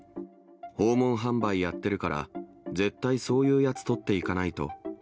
訪問販売やってるから、絶対そういうやつとっていかないと。